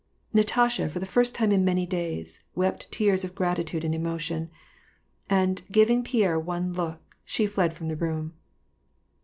Natasha, for the first time in many days, wept tears of grat jtude and emotion ; and, giving Pierre one look, she fled from : ^e room.